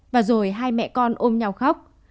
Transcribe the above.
và rồi hai mẹ con ôm nhau khóc